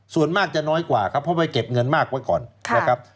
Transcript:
ส่วนมากจะน้อยกว่าครับเพราะไว้เก็บเงินมากไว้ก่อนนะครับ